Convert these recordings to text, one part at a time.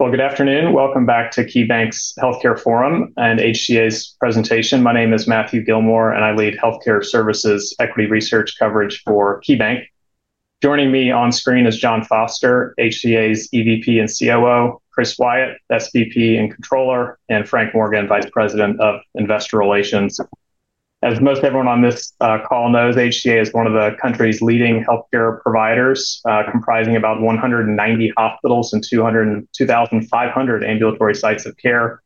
Well, good afternoon. Welcome back to KeyBank Healthcare Forum and HCA's presentation. My name is Matthew Gillmor, and I lead Healthcare Services Equity Research coverage for KeyBanc. Joining me on screen is Jon Foster, HCA's EVP and COO, Chris Wyatt, SVP and Controller, and Frank Morgan, Vice President of Investor Relations. As most everyone on this call knows, HCA is one of the country's leading healthcare providers, comprising about 190 hospitals and 202,500 ambulatory sites of care.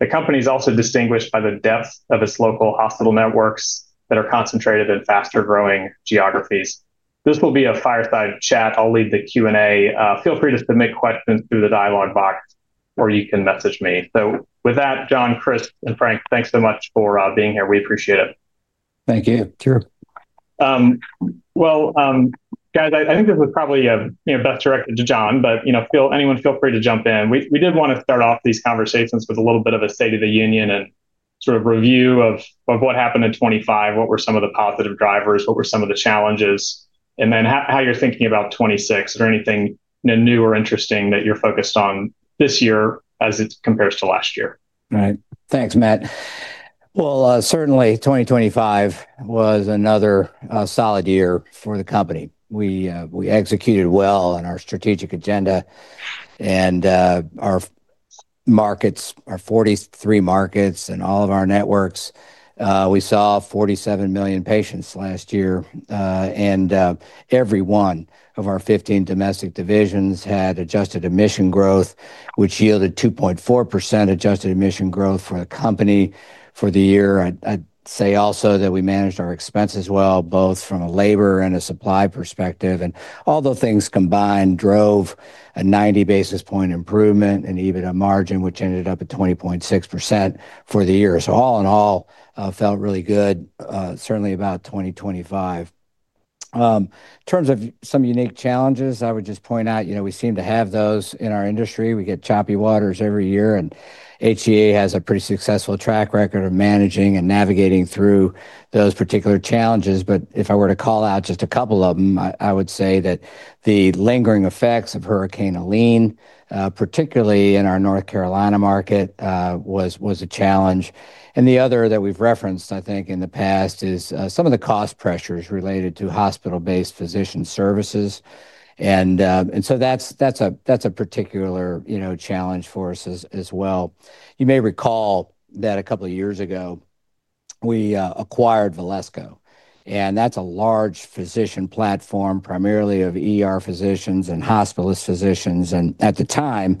The company is also distinguished by the depth of its local hospital networks that are concentrated in faster-growing geographies. This will be a fireside chat. I'll lead the Q&A. Feel free to submit questions through the dialog box, or you can message me. With that, Jon, Chris, and Frank, thanks so much for being here. We appreciate it. Thank you. Sure. Well, guys, I think this was probably, best directed to Jon, but, you know, anyone feel free to jump in. We did wanna start off these conversations with a little bit of a state of the union and sort of review of what happened in 2025, what were some of the positive drivers, what were some of the challenges, and then how you're thinking about 2026. Is there anything new or interesting that you're focused on this year as it compares to last year? Right. Thanks, Matt. Well, certainly 2025 was another solid year for the company. We executed well on our strategic agenda and our markets, our 43 markets and all of our networks. We saw 47 million patients last year, and every one of our 15 domestic divisions had adjusted admission growth, which yielded 2.4% adjusted admission growth for the company for the year. I'd say also that we managed our expenses well, both from a labor and a supply perspective. All those things combined drove a 90 basis point improvement in EBITDA margin which ended up at 20.6% for the year. All in all, felt really good, certainly about 2025. In terms of some unique challenges, I would just point out, you know, we seem to have those in our industry. We get choppy waters every year, and HCA has a pretty successful track record of managing and navigating through those particular challenges. If I were to call out just a couple of them, I would say that the lingering effects of Hurricane Helene, particularly in our North Carolina market, was a challenge. The other that we've referenced, I think, in the past is some of the cost pressures related to hospital-based physician services. That's a particular, you know, challenge for us as well. You may recall that a couple of years ago we acquired Valesco, and that's a large physician platform, primarily of ER physicians and hospitalist physicians. At the time,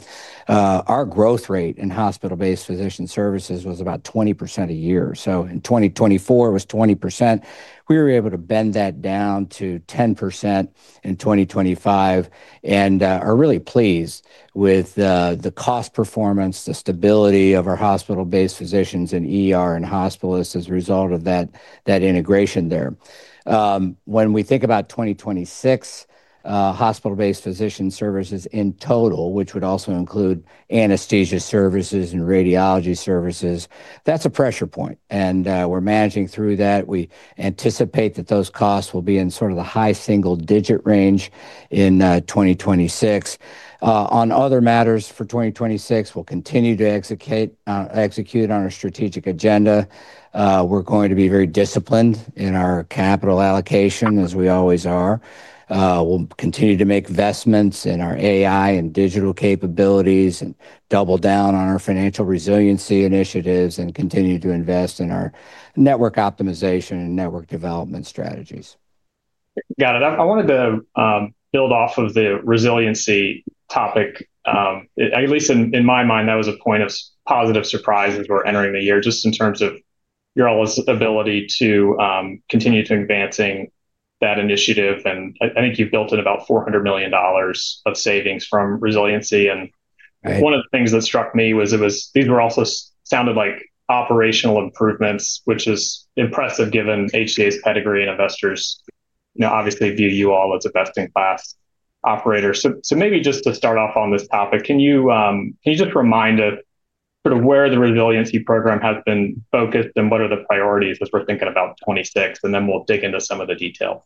our growth rate in hospital-based physician services was about 20% a year. In 2024, it was 20%. We were able to bend that down to 10% in 2025 and are really pleased with the cost performance, the stability of our hospital-based physicians in ER and hospitalists as a result of that integration there. When we think about 2026, hospital-based physician services in total, which would also include anesthesia services and radiology services, that's a pressure point, and we're managing through that. We anticipate that those costs will be in sort of the high single-digit range in 2026. On other matters for 2026, we'll continue to execute on our strategic agenda. We're going to be very disciplined in our capital allocation as we always are. We'll continue to make investments in our AI and digital capabilities and double down on our financial resiliency initiatives and continue to invest in our network optimization and network development strategies. Got it. I wanted to build off of the resiliency topic. At least in my mind, that was a point of positive surprise as we're entering the year, just in terms of your all's ability to continue to advancing that initiative. I think you've built in about $400 million of savings from resiliency. Right One of the things that struck me was these were also sounded like operational improvements, which is impressive given HCA's pedigree, and investors, you know, obviously view you all as a best-in-class operator. So maybe just to start off on this topic, can you just remind us sort of where the resiliency program has been focused and what are the priorities as we're thinking about 2026? Then we'll dig into some of the details.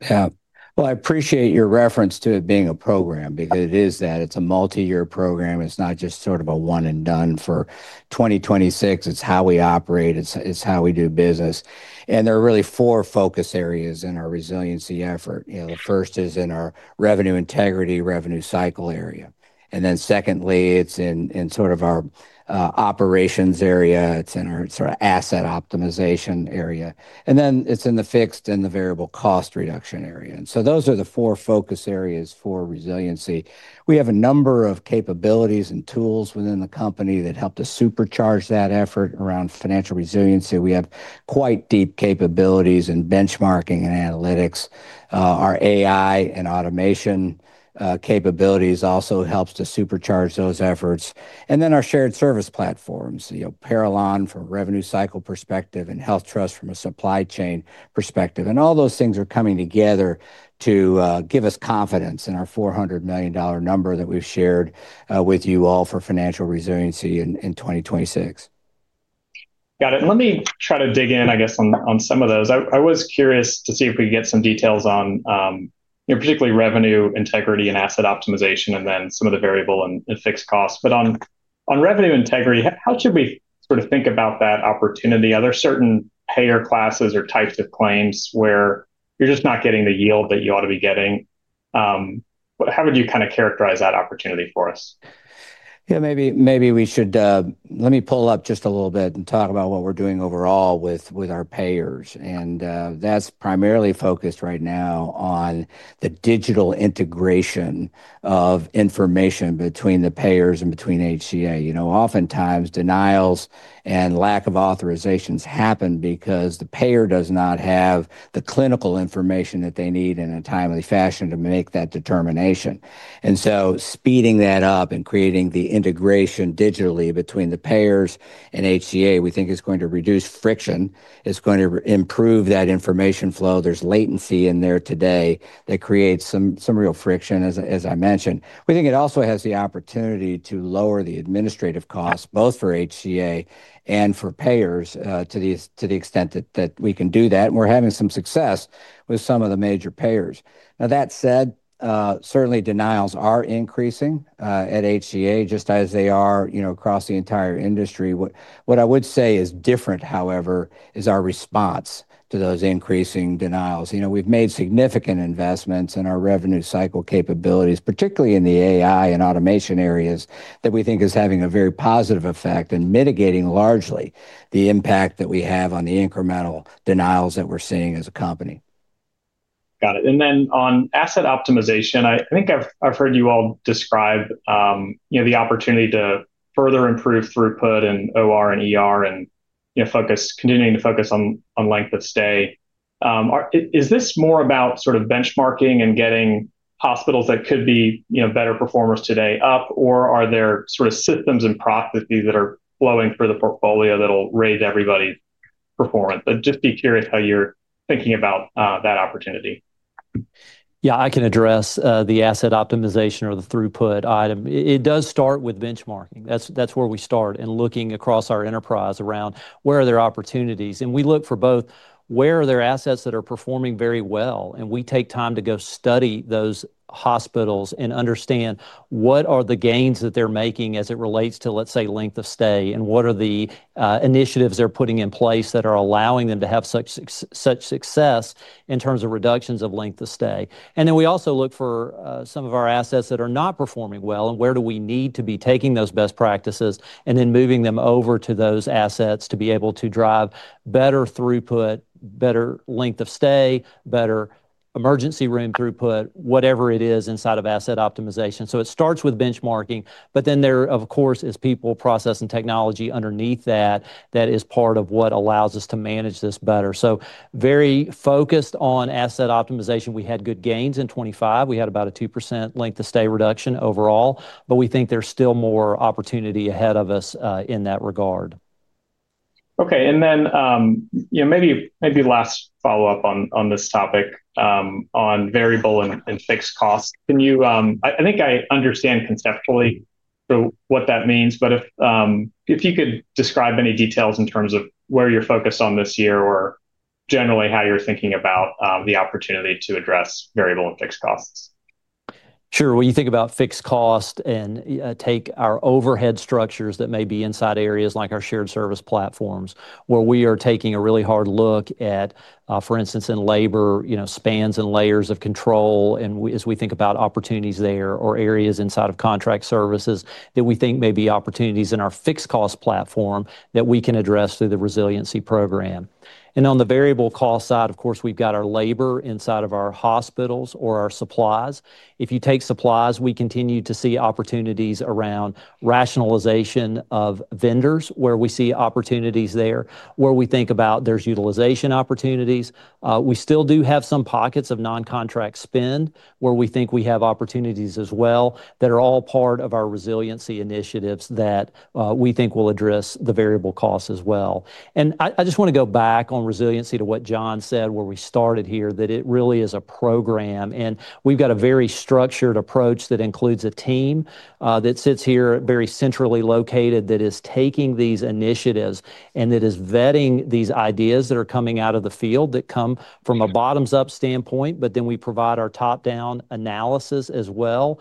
Yeah. Well, I appreciate your reference to it being a program because it is that. It's a multi-year program. It's not just sort of a one and done for 2026. It's how we operate, it's how we do business. There are really four focus areas in our resiliency effort. You know, the first is in our revenue integrity, revenue cycle area. Then secondly, it's in sort of our operations area. It's in our sort of asset optimization area. Then it's in the fixed and the variable cost reduction area. Those are the four focus areas for resiliency. We have a number of capabilities and tools within the company that help to supercharge that effort around financial resiliency. We have quite deep capabilities in benchmarking and analytics. Our AI and automation capabilities also helps to supercharge those efforts. Our shared service platforms, you know, Parallon from revenue cycle perspective and HealthTrust from a supply chain perspective. All those things are coming together to give us confidence in our $400 million number that we've shared with you all for financial resiliency in 2026. Got it. Let me try to dig in, I guess, on some of those. I was curious to see if we could get some details on, you know, particularly revenue integrity and asset optimization, and then some of the variable and fixed costs. On revenue integrity, how should we sort of think about that opportunity? Are there certain payer classes or types of claims where you're just not getting the yield that you ought to be getting? How would you kinda characterize that opportunity for us? Yeah, maybe we should let me pull up just a little bit and talk about what we're doing overall with our payers. That's primarily focused right now on the digital integration of information between the payers and between HCA. You know, oftentimes denials and lack of authorizations happen because the payer does not have the clinical information that they need in a timely fashion to make that determination. Speeding that up and creating the integration digitally between the payers and HCA, we think is going to reduce friction. It's going to improve that information flow. There's latency in there today that creates some real friction, as I mentioned. We think it also has the opportunity to lower the administrative costs, both for HCA and for payers, to the extent that we can do that, and we're having some success with some of the major payers. Now that said, certainly denials are increasing at HCA, just as they are across the entire industry. What I would say is different, however, is our response to those increasing denials. You know, we've made significant investments in our revenue cycle capabilities, particularly in the AI and automation areas, that we think is having a very positive effect in mitigating largely the impact that we have on the incremental denials that we're seeing as a company. Got it. On asset optimization, I think I've heard you all describe, you know, the opportunity to further improve throughput in OR and ER and, you know, continuing to focus on length of stay. Is this more about sort of benchmarking and getting hospitals that could be, you know, better performers today up, or are there sort of systems and processes that are flowing through the portfolio that'll raise everybody's performance? I'd just be curious how you're thinking about that opportunity. Yeah, I can address the asset optimization or the throughput item. It does start with benchmarking. That's where we start in looking across our enterprise around where are there opportunities. We look for both where are there assets that are performing very well, and we take time to go study those hospitals and understand what are the gains that they're making as it relates to, let's say, length of stay, and what are the initiatives they're putting in place that are allowing them to have such success in terms of reductions of length of stay. We also look for some of our assets that are not performing well, and where do we need to be taking those best practices and then moving them over to those assets to be able to drive better throughput, better length of stay, better emergency room throughput, whatever it is inside of asset optimization. It starts with benchmarking, but then there, of course, is people, process, and technology underneath that that is part of what allows us to manage this better. Very focused on asset optimization. We had good gains in 2025. We had about a 2% length of stay reduction overall, but we think there's still more opportunity ahead of us in that regard. Okay. You know, maybe last follow-up on this topic, on variable and fixed costs. I think I understand conceptually sort of what that means, but if you could describe any details in terms of where you're focused on this year or generally how you're thinking about the opportunity to address variable and fixed costs. Sure. When you think about fixed cost and take our overhead structures that may be inside areas like our shared service platforms, where we are taking a really hard look at, for instance, in labor, you know, spans and layers of control and as we think about opportunities there or areas inside of contract services that we think may be opportunities in our fixed cost platform that we can address through the resiliency program. On the variable cost side, of course, we've got our labor inside of our hospitals or our supplies. If you take supplies, we continue to see opportunities around rationalization of vendors, where we see opportunities there, where we think about there's utilization opportunities. We still do have some pockets of non-contract spend where we think we have opportunities as well that are all part of our resiliency initiatives that we think will address the variable costs as well. I just wanna go back on resiliency to what Jon said where we started here, that it really is a program. We've got a very structured approach that includes a team that sits here very centrally located that is taking these initiatives and that is vetting these ideas that are coming out of the field that come from a bottoms-up standpoint, but then we provide our top-down analysis as well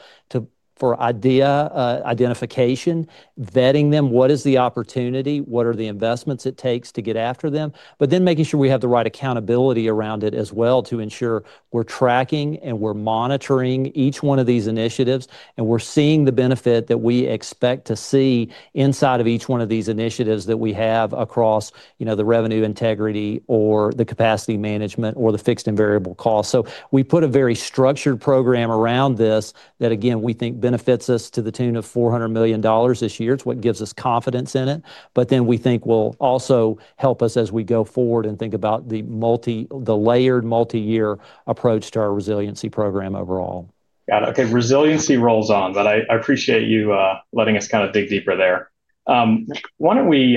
for idea identification, vetting them, what is the opportunity, what are the investments it takes to get after them. Making sure we have the right accountability around it as well to ensure we're tracking and we're monitoring each one of these initiatives, and we're seeing the benefit that we expect to see inside of each one of these initiatives that we have across, you know, the revenue integrity or the capacity management or the fixed and variable costs. We put a very structured program around this that again, we think benefits us to the tune of $400 million this year. It's what gives us confidence in it, but then we think will also help us as we go forward and think about the layered multi-year approach to our resiliency program overall. Got it. Okay, resiliency rolls on, but I appreciate you letting us kinda dig deeper there. Why don't we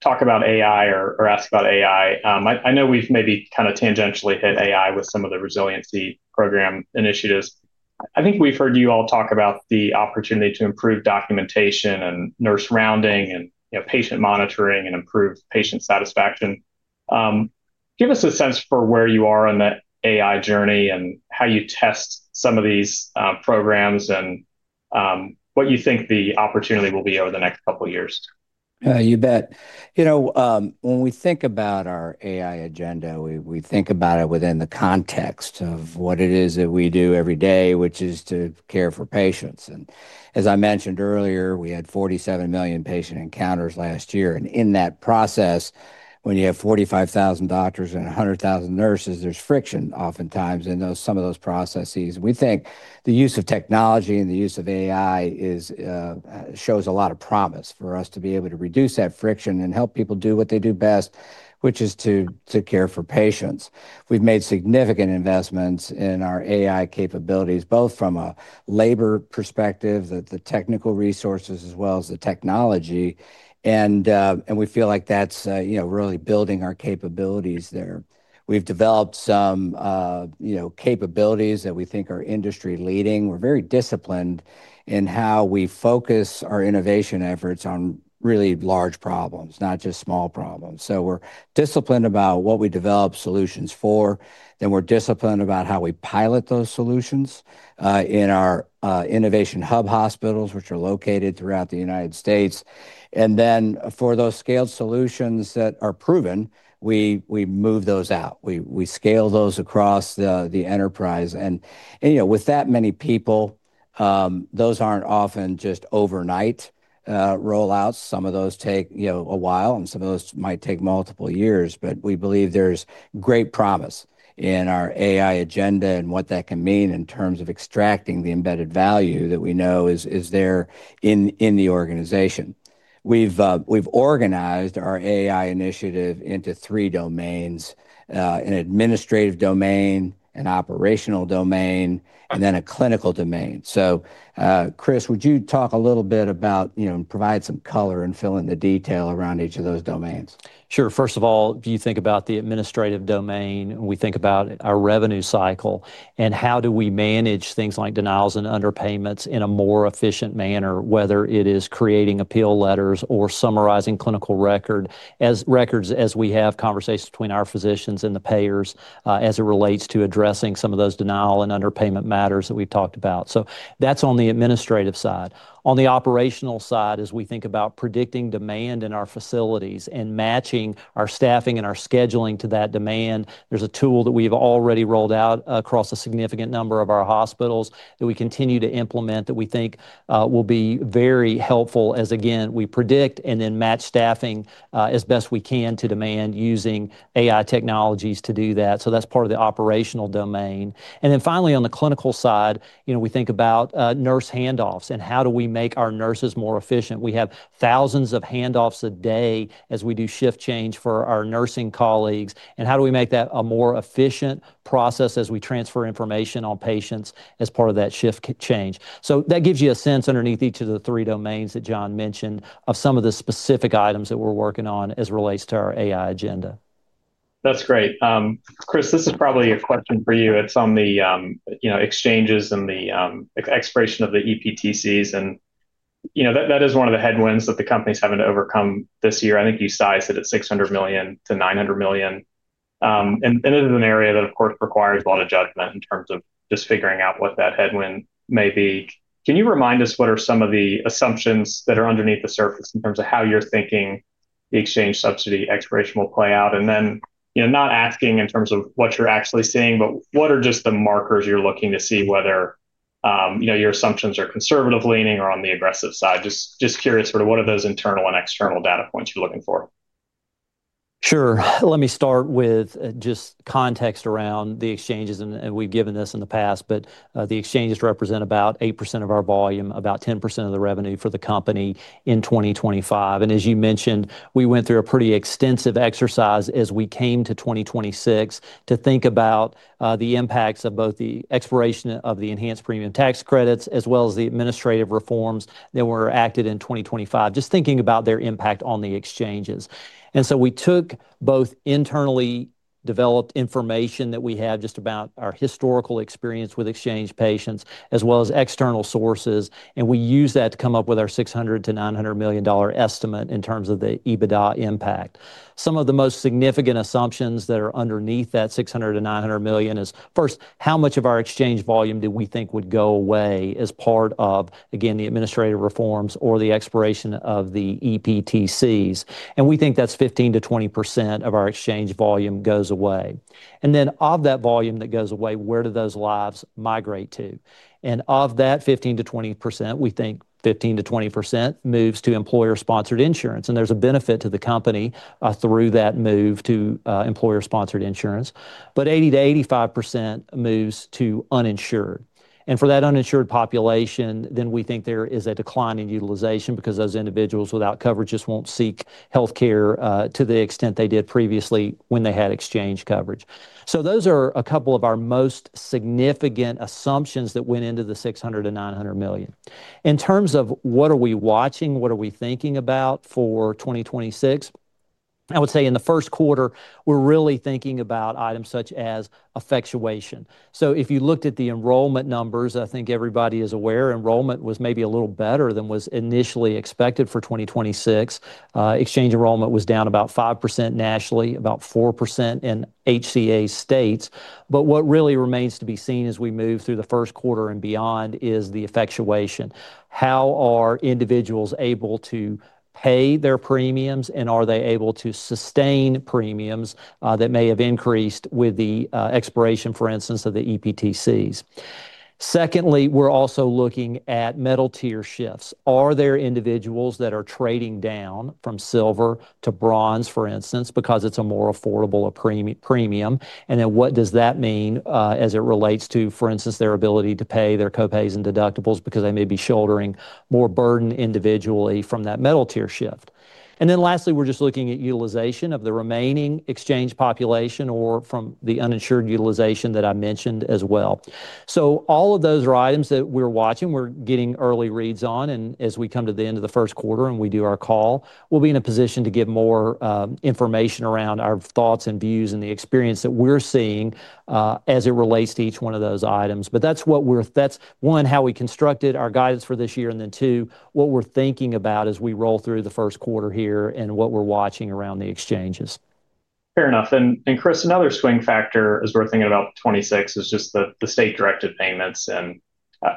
talk about AI or ask about AI? I know we've maybe kinda tangentially hit AI with some of the resiliency program initiatives. I think we've heard you all talk about the opportunity to improve documentation and nurse rounding and, you know, patient monitoring and improve patient satisfaction. Give us a sense for where you are in that AI journey and how you test some of these programs and what you think the opportunity will be over the next couple years. You bet. You know, when we think about our AI agenda, we think about it within the context of what it is that we do every day, which is to care for patients. As I mentioned earlier, we had 47 million patient encounters last year. In that process, when you have 45,000 doctors and 100,000 nurses, there's friction oftentimes in those, some of those processes. We think the use of technology and the use of AI shows a lot of promise for us to be able to reduce that friction and help people do what they do best, which is to care for patients. We've made significant investments in our AI capabilities, both from a labor perspective, the technical resources, as well as the technology. We feel like that's, you know, really building our capabilities there. We've developed some, you know, capabilities that we think are industry-leading. We're very disciplined in how we focus our innovation efforts on really large problems, not just small problems. We're disciplined about what we develop solutions for, then we're disciplined about how we pilot those solutions in our Innovation Hub hospitals, which are located throughout the United States. For those scaled solutions that are proven, we move those out. We scale those across the enterprise. You know, with that many people, those aren't often just overnight rollouts. Some of those take, you know, a while, and some of those might take multiple years. We believe there's great promise in our AI agenda and what that can mean in terms of extracting the embedded value that we know is there in the organization. We've organized our AI initiative into three domains: an administrative domain, an operational domain, and then a clinical domain. Chris, would you talk a little bit about, you know, and provide some color and fill in the detail around each of those domains? Sure. First of all, if you think about the administrative domain, we think about our revenue cycle and how do we manage things like denials and underpayments in a more efficient manner, whether it is creating appeal letters or summarizing clinical records as we have conversations between our physicians and the payers as it relates to addressing some of those denial and underpayment matters that we've talked about. That's on the administrative side. On the operational side, as we think about predicting demand in our facilities and matching our staffing and our scheduling to that demand, there's a tool that we've already rolled out across a significant number of our hospitals that we continue to implement that we think will be very helpful as, again, we predict and then match staffing as best we can to demand using AI technologies to do that. That's part of the operational domain. Then finally, on the clinical side, you know, we think about nurse handoffs and how do we make our nurses more efficient. We have thousands of handoffs a day as we do shift change for our nursing colleagues, and how do we make that a more efficient process as we transfer information on patients as part of that shift change. That gives you a sense underneath each of the three domains that Jon mentioned of some of the specific items that we're working on as relates to our AI agenda. That's great. Chris, this is probably a question for you. It's on the, you know, exchanges and the, expiration of the EPTCs, and, you know, that is one of the headwinds that the company's having to overcome this year. I think you sized it at $600 to 900 million. It is an area that, of course, requires a lot of judgment in terms of just figuring out what that headwind may be. Can you remind us what are some of the assumptions that are underneath the surface in terms of how you're thinking the exchange subsidy expiration will play out? Then, you know, not asking in terms of what you're actually seeing, but what are just the markers you're looking to see whether, you know, your assumptions are conservative leaning or on the aggressive side? Just curious sort of what are those internal and external data points you're looking for? Sure. Let me start with just context around the exchanges, and we've given this in the past, but the exchanges represent about 8% of our volume, about 10% of the revenue for the company in 2025. As you mentioned, we went through a pretty extensive exercise as we came to 2026 to think about the impacts of both the expiration of the enhanced premium tax credits as well as the administrative reforms that were acted in 2025, just thinking about their impact on the exchanges. We took both internally developed information that we had just about our historical experience with exchange patients as well as external sources, and we used that to come up with our $600 to 900 million estimate in terms of the EBITDA impact. Some of the most significant assumptions that are underneath that $600 to 900 million is, first, how much of our exchange volume do we think would go away as part of, again, the administrative reforms or the expiration of the EPTCs? We think that's 15% to 20% of our exchange volume goes away. Of that volume that goes away, where do those lives migrate to? Of that 15% to 20%, we think 15% to 20% moves to employer-sponsored insurance, and there's a benefit to the company through that move to employer-sponsored insurance. 80% to 85% moves to uninsured. For that uninsured population, then we think there is a decline in utilization because those individuals without coverage just won't seek healthcare to the extent they did previously when they had exchange coverage. Those are a couple of our most significant assumptions that went into the $600 to 900 million. In terms of what are we watching, what are we thinking about for 2026? I would say in the first quarter, we're really thinking about items such as effectuation. If you looked at the enrollment numbers, I think everybody is aware enrollment was maybe a little better than was initially expected for 2026. Exchange enrollment was down about 5% nationally, about 4% in HCA states. What really remains to be seen as we move through the first quarter and beyond is the effectuation. How are individuals able to pay their premiums, and are they able to sustain premiums that may have increased with the expiration, for instance, of the EPTCs? Secondly, we're also looking at metal tier shifts. Are there individuals that are trading down from Silver to Bronze, for instance, because it's a more affordable premium? What does that mean as it relates to, for instance, their ability to pay their co-pays and deductibles because they may be shouldering more burden individually from that metal tier shift? Lastly, we're just looking at utilization of the remaining exchange population or from the uninsured utilization that I mentioned as well. All of those are items that we're watching, we're getting early reads on, and as we come to the end of the first quarter and we do our call, we'll be in a position to give more information around our thoughts and views and the experience that we're seeing as it relates to each one of those items. That's one, how we constructed our guidance for this year, and then two, what we're thinking about as we roll through the first quarter here and what we're watching around the exchanges. Fair enough. Chris, another swing factor as we're thinking about 2026 is just the state-directed payments. I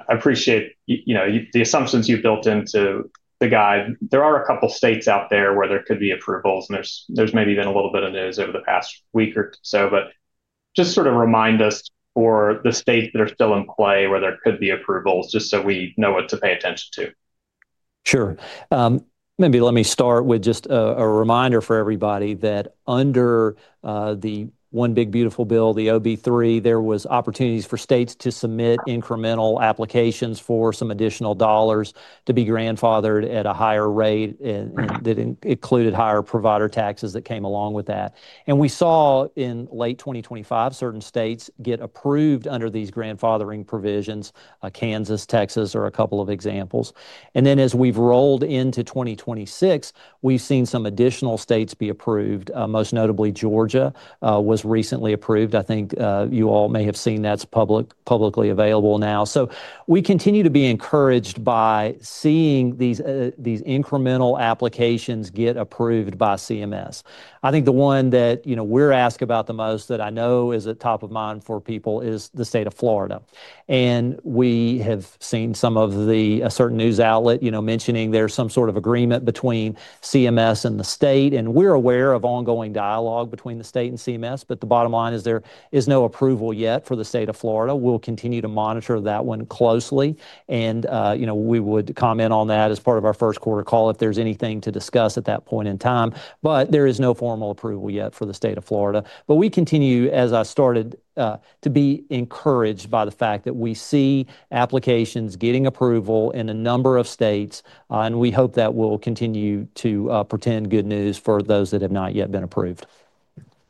appreciate you know, the assumptions you've built into the guide. There are a couple states out there where there could be approvals, and there's maybe been a little bit of news over the past week or so. Just sort of remind us for the states that are still in play where there could be approvals, just so we know what to pay attention to. Sure. Maybe let me start with just a reminder for everybody that under the One Big Beautiful Bill Act, the OBBBA, there was opportunities for states to submit incremental applications for some additional dollars to be grandfathered at a higher rate and that included higher provider taxes that came along with that. We saw in late 2025 certain states get approved under these grandfathering provisions. Kansas, Texas are a couple of examples. Then as we've rolled into 2026, we've seen some additional states be approved, most notably Georgia, was recently approved. I think, you all may have seen that's publicly available now. We continue to be encouraged by seeing these incremental applications get approved by CMS. I think the one that, you know, we're asked about the most that I know is at top of mind for people is the state of Florida. We have seen some of the, a certain news outlet, you know, mentioning there's some sort of agreement between CMS and the state, and we're aware of ongoing dialogue between the state and CMS, but the bottom line is there is no approval yet for the state of Florida. We'll continue to monitor that one closely, and, you know, we would comment on that as part of our first quarter call if there's anything to discuss at that point in time. There is no formal approval yet for the state of Florida. We continue, as I started, to be encouraged by the fact that we see applications getting approval in a number of states, and we hope that will continue to, portend good news for those that have not yet been approved.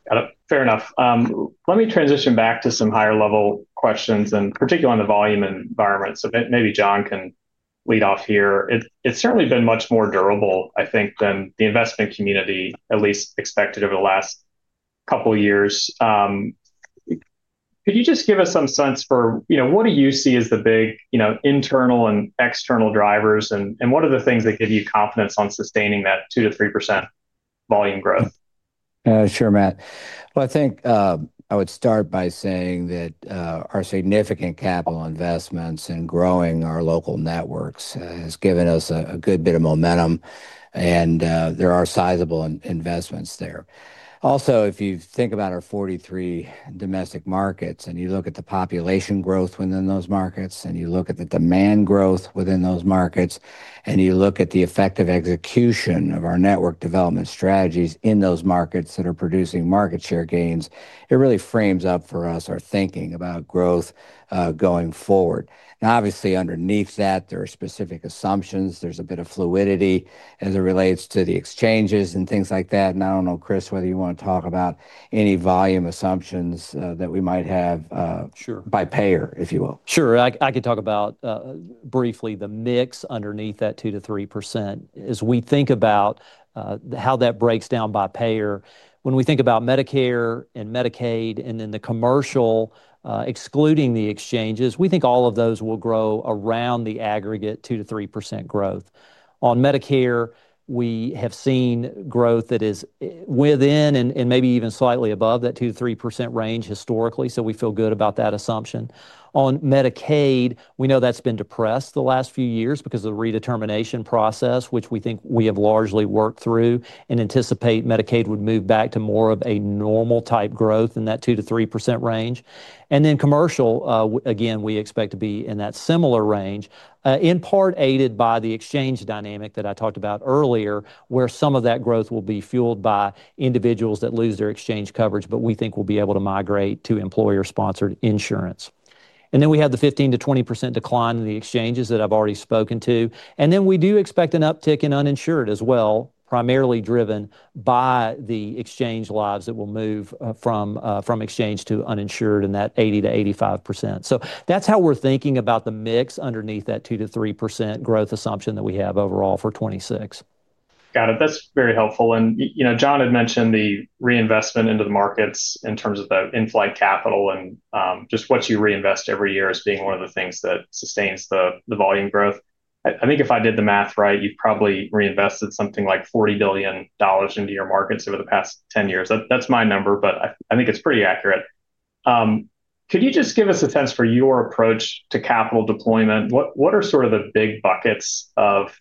Got it. Fair enough. Let me transition back to some higher level questions and particularly on the volume environment. Maybe Jon can lead off here. It's certainly been much more durable, I think, than the investment community at least expected over the last couple years. Could you just give us some sense for, you know, what do you see as the big, you know, internal and external drivers, and what are the things that give you confidence on sustaining that 2% to 3% volume growth? Sure, Matt. Well, I think I would start by saying that our significant capital investments in growing our local networks has given us a good bit of momentum, and there are sizable investments there. Also, if you think about our 43 domestic markets, and you look at the population growth within those markets, and you look at the demand growth within those markets, and you look at the effective execution of our network development strategies in those markets that are producing market share gains, it really frames up for us our thinking about growth going forward. Now, obviously, underneath that, there are specific assumptions. There's a bit of fluidity as it relates to the exchanges and things like that. I don't know, Chris, whether you wanna talk about any volume assumptions that we might have by payer, if you will. Sure. I could talk about briefly the mix underneath that 2% to 3% as we think about how that breaks down by payer. When we think about Medicare and Medicaid and then the commercial, excluding the exchanges, we think all of those will grow around the aggregate 2% to 3% growth. On Medicare, we have seen growth that is within and maybe even slightly above that 2% to 3% range historically, so we feel good about that assumption. On Medicaid, we know that's been depressed the last few years because of the redetermination process, which we think we have largely worked through and anticipate Medicaid would move back to more of a normal type growth in that 2% to 3% range. Commercial, again, we expect to be in that similar range, in part aided by the exchange dynamic that I talked about earlier, where some of that growth will be fueled by individuals that lose their exchange coverage, but we think will be able to migrate to employer-sponsored insurance. We have the 15% to 20% decline in the exchanges that I've already spoken to. We do expect an uptick in uninsured as well, primarily driven by the exchange lives that will move from exchange to uninsured in that 80% to 85%. That's how we're thinking about the mix underneath that 2% to 3% growth assumption that we have overall for 2026. Got it. That's very helpful. You know, Jon had mentioned the reinvestment into the markets in terms of the in-flight capital and just what you reinvest every year as being one of the things that sustains the volume growth. I think if I did the math right, you've probably reinvested something like $40 billion into your markets over the past 10 years. That's my number, but I think it's pretty accurate. Could you just give us a sense for your approach to capital deployment? What are sort of the big buckets of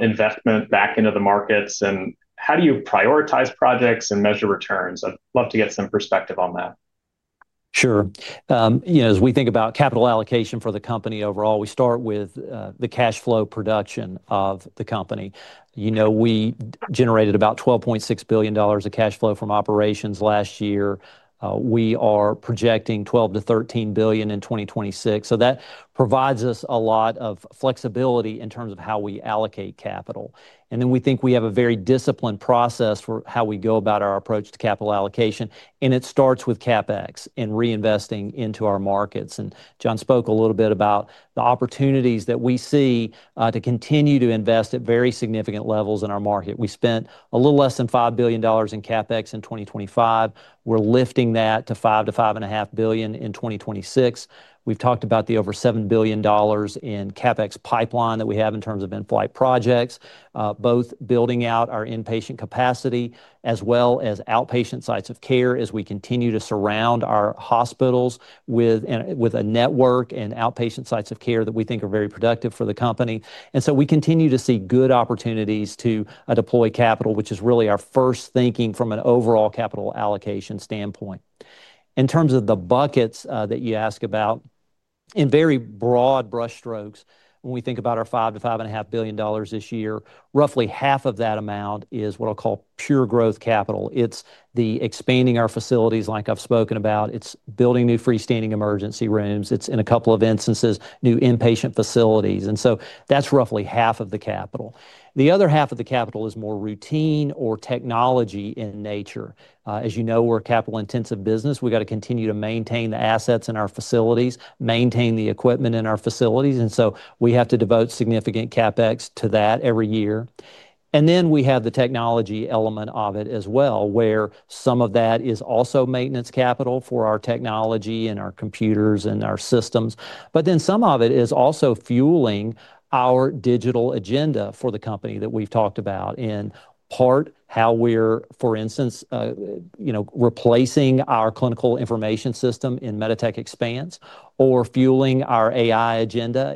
investment back into the markets, and how do you prioritize projects and measure returns? I'd love to get some perspective on that. Sure. You know, as we think about capital allocation for the company overall, we start with the cash flow production of the company. You know, we generated about $12.6 billion of cash flow from operations last year. We are projecting $12 to 13 billion in 2026. That provides us a lot of flexibility in terms of how we allocate capital. Then we think we have a very disciplined process for how we go about our approach to capital allocation, and it starts with CapEx and reinvesting into our markets. Jon spoke a little bit about the opportunities that we see to continue to invest at very significant levels in our market. We spent a little less than $5 billion in CapEx in 2025. We're lifting that to $5 to 5.5 billion in 2026. We've talked about the over $7 billion in CapEx pipeline that we have in terms of in-flight projects, both building out our inpatient capacity as well as outpatient sites of care as we continue to surround our hospitals with a network and outpatient sites of care that we think are very productive for the company. We continue to see good opportunities to deploy capital, which is really our first thinking from an overall capital allocation standpoint. In terms of the buckets that you ask about, in very broad brushstrokes, when we think about our $5 to 5.5 billion this year, roughly half of that amount is what I call pure growth capital. It's the expanding our facilities like I've spoken about. It's building new freestanding emergency rooms. It's, in a couple of instances, new inpatient facilities. That's roughly half of the capital. The other half of the capital is more routine or technology in nature. As you know, we're a capital-intensive business. We got to continue to maintain the assets in our facilities, maintain the equipment in our facilities, and we have to devote significant CapEx to that every year. We have the technology element of it as well, where some of that is also maintenance capital for our technology and our computers and our systems. Some of it is also fueling our digital agenda for the company that we've talked about. In part, how we're, for instance, replacing our clinical information system in MEDITECH Expanse or fueling our AI agenda.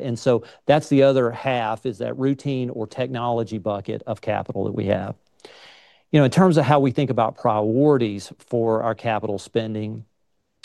That's the other half, is that routine or technology bucket of capital that we have. You know, in terms of how we think about priorities for our capital spending,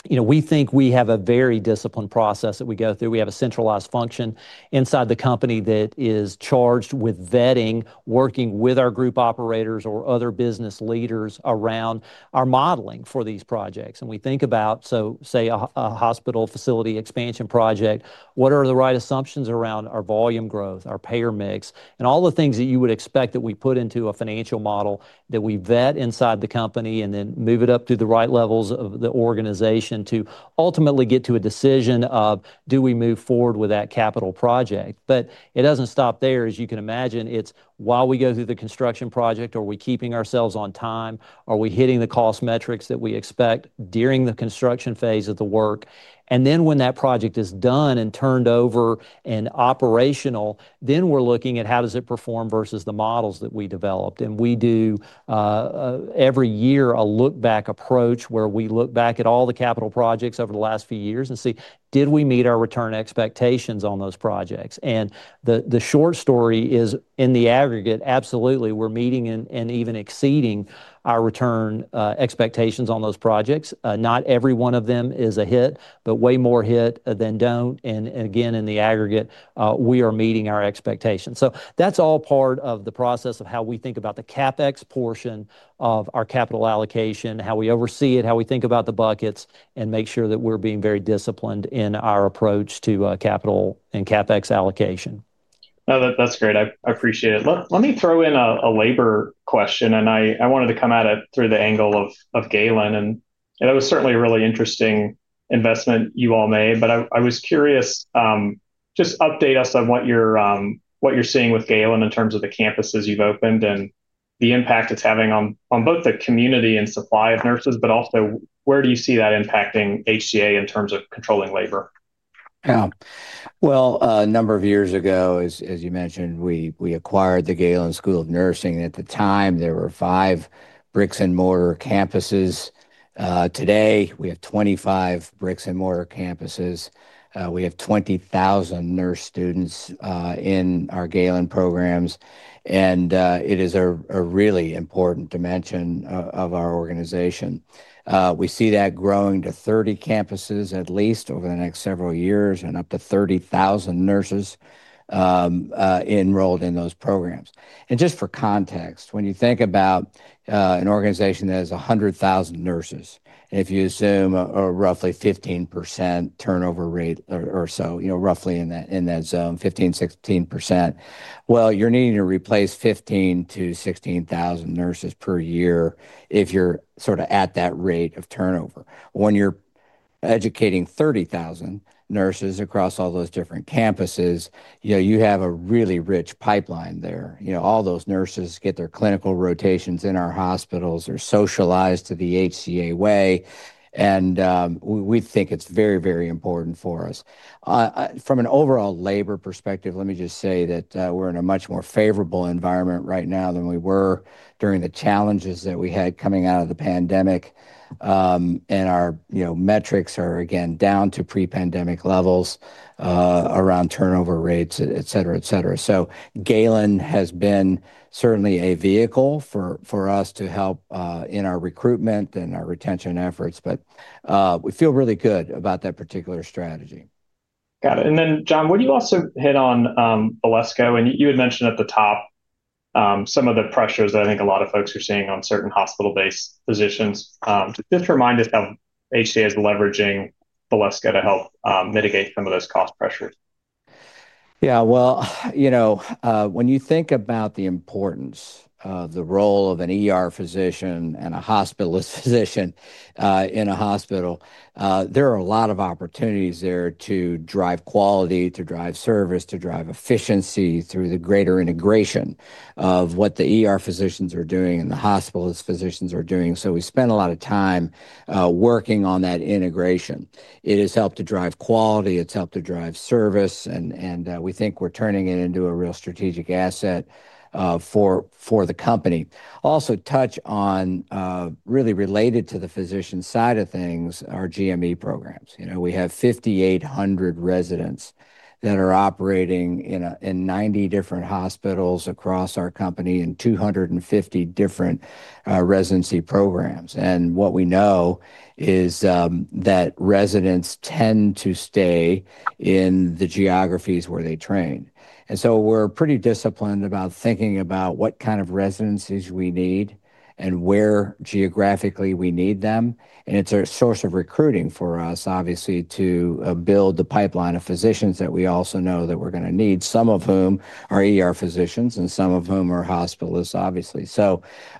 you know, we think we have a very disciplined process that we go through. We have a centralized function inside the company that is charged with vetting, working with our group operators or other business leaders around our modeling for these projects. We think about, so say a hospital facility expansion project, what are the right assumptions around our volume growth, our payer mix, and all the things that you would expect that we put into a financial model that we vet inside the company and then move it up to the right levels of the organization to ultimately get to a decision of do we move forward with that capital project. It doesn't stop there. As you can imagine, it's while we go through the construction project, are we keeping ourselves on time? Are we hitting the cost metrics that we expect during the construction phase of the work? Then when that project is done and turned over and operational, then we're looking at how does it perform versus the models that we developed. We do every year a look back approach where we look back at all the capital projects over the last few years and see did we meet our return expectations on those projects. The short story is in the aggregate, absolutely, we're meeting and even exceeding our return expectations on those projects. Not every one of them is a hit, but way more hit than don't. Again, in the aggregate, we are meeting our expectations. That's all part of the process of how we think about the CapEx portion of our capital allocation, how we oversee it, how we think about the buckets, and make sure that we're being very disciplined in our approach to capital and CapEx allocation. No, that's great. I appreciate it. Let me throw in a labor question, and I wanted to come at it through the angle of Galen. It was certainly a really interesting investment you all made, but I was curious. Just update us on what you're seeing with Galen in terms of the campuses you've opened and the impact it's having on both the community and supply of nurses, but also where do you see that impacting HCA in terms of controlling labor? Yeah. Well, a number of years ago, as you mentioned, we acquired the Galen College of Nursing. At the time, there were five brick-and-mortar campuses. Today, we have 25 brick-and-mortar campuses. We have 20,000 nurse students in our Galen programs, and it is a really important dimension of our organization. We see that growing to 30 campuses at least over the next several years and up to 30,000 nurses enrolled in those programs. Just for context, when you think about an organization that has 100,000 nurses, and if you assume a roughly 15% turnover rate or so, you know, roughly in that zone, 15% to 16%, well, you're needing to replace 15,000 to 16,000 nurses per year if you're sort of at that rate of turnover. When you're- Educating 30,000 nurses across all those different campuses you have a really rich pipeline there. You know, all those nurses get their clinical rotations in our hospitals. They're socialized to the HCA way, and we think it's very, very important for us. From an overall labor perspective, let me just say that we're in a much more favorable environment right now than we were during the challenges that we had coming out of the pandemic. Our metrics are again down to pre-pandemic levels around turnover rates, et cetera, et cetera. Galen has been certainly a vehicle for us to help in our recruitment and our retention efforts. We feel really good about that particular strategy. Got it. Then, Jon, would you also hit on Valesco? You had mentioned at the top some of the pressures that I think a lot of folks are seeing on certain hospital-based physicians. Just remind us how HCA is leveraging Valesco to help mitigate some of those cost pressures. Yeah. Well, you know, when you think about the importance of the role of an ER physician and a hospitalist physician in a hospital, there are a lot of opportunities there to drive quality, to drive service, to drive efficiency through the greater integration of what the ER physicians are doing and the hospitalist physicians are doing. We spend a lot of time working on that integration. It has helped to drive quality, it's helped to drive service, and we think we're turning it into a real strategic asset for the company. Also touch on, really related to the physician side of things are GME programs. WE have 5,800 residents that are operating in 90 different hospitals across our company and 250 different residency programs. What we know is that residents tend to stay in the geographies where they train. We're pretty disciplined about thinking about what kind of residencies we need and where geographically we need them. It's a source of recruiting for us, obviously, to build the pipeline of physicians that we also know that we're gonna need, some of whom are ER physicians and some of whom are hospitalists, obviously.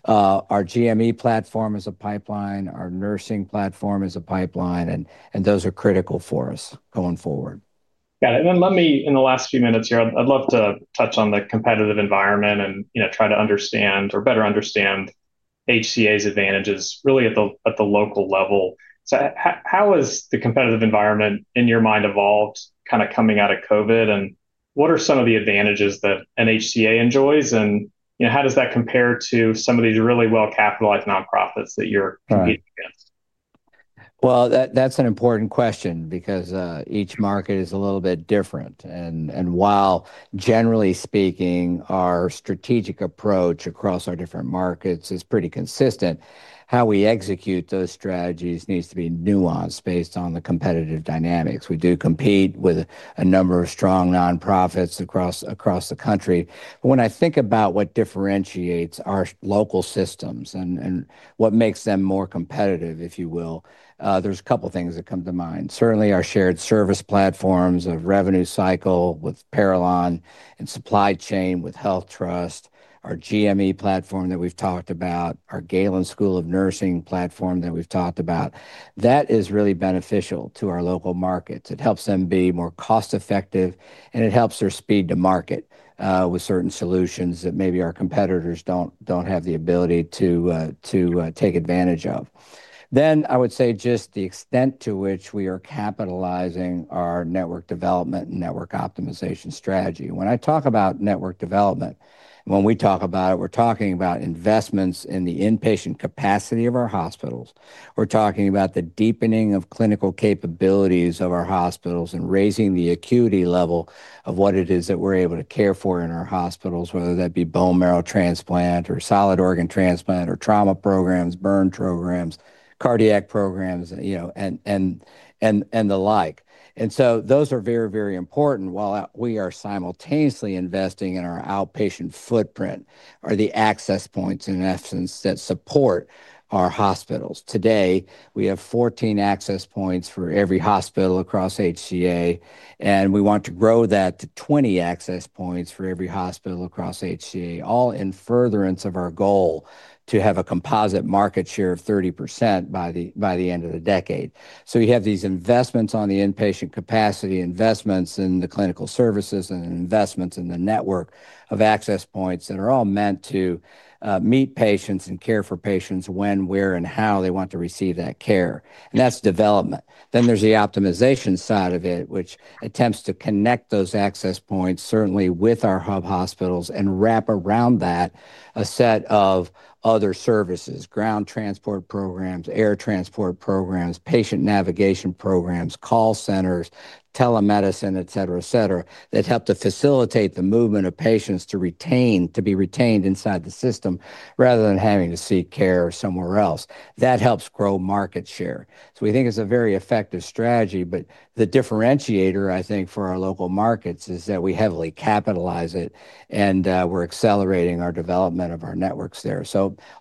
Our GME platform is a pipeline, our nursing platform is a pipeline, and those are critical for us going forward. Got it. Let me, in the last few minutes here, I'd love to touch on the competitive environment and try to understand or better understand HCA's advantages really at the local level. How has the competitive environment in your mind evolved kind of coming out of COVID? What are some of the advantages that HCA enjoys, and how does that compare to some of these really well-capitalized nonprofits that you're Right competing against? Well, that's an important question because each market is a little bit different. While generally speaking, our strategic approach across our different markets is pretty consistent, how we execute those strategies needs to be nuanced based on the competitive dynamics. We do compete with a number of strong nonprofits across the country. When I think about what differentiates our local systems and what makes them more competitive, if you will, there's a couple things that come to mind. Certainly, our shared service platforms of revenue cycle with Parallon and supply chain with HealthTrust, our GME platform that we've talked about, our Galen College of Nursing platform that we've talked about, that is really beneficial to our local markets. It helps them be more cost-effective, and it helps their speed to market with certain solutions that maybe our competitors don't have the ability to take advantage of. I would say just the extent to which we are capitalizing our network development and network optimization strategy. When I talk about network development, when we talk about it, we're talking about investments in the inpatient capacity of our hospitals. We're talking about the deepening of clinical capabilities of our hospitals and raising the acuity level of what it is that we're able to care for in our hospitals, whether that be bone marrow transplant or solid organ transplant or trauma programs, burn programs, cardiac programs, you know, and the like. Those are very, very important while we are simultaneously investing in our outpatient footprint or the access points in essence that support our hospitals. Today, we have 14 access points for every hospital across HCA, and we want to grow that to 20 access points for every hospital across HCA, all in furtherance of our goal to have a composite market share of 30% by the end of the decade. You have these investments on the inpatient capacity, investments in the clinical services, and investments in the network of access points that are all meant to meet patients and care for patients when, where, and how they want to receive that care, and that's development. There's the optimization side of it, which attempts to connect those access points certainly with our hub hospitals and wrap around that a set of other services. Ground transport programs, air transport programs, patient navigation programs, call centers, telemedicine, et cetera, that help to facilitate the movement of patients to be retained inside the system rather than having to seek care somewhere else. That helps grow market share. We think it's a very effective strategy, but the differentiator, I think, for our local markets is that we heavily capitalize it, and we're accelerating our development of our networks there.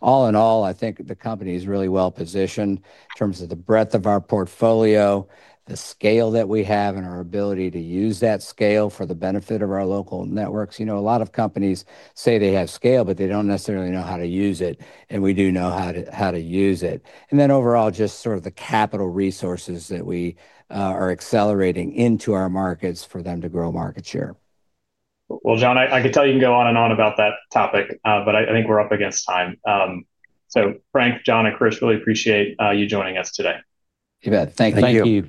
All in all, I think the company is really well-positioned in terms of the breadth of our portfolio, the scale that we have, and our ability to use that scale for the benefit of our local networks. You know, a lot of companies say they have scale, but they don't necessarily know how to use it, and we do know how to use it. Overall, just sort of the capital resources that we are accelerating into our markets for them to grow market share. Well, Jon, I could tell you can go on and on about that topic, but I think we're up against time. Frank, Jon, and Chris, really appreciate you joining us today. You bet. Thank you.